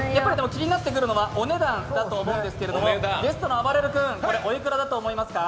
気になってくるのはお値段だと思うんですけどゲストのあばれる君、おいくらだと思いますか。